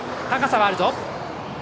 高さはあるぞ。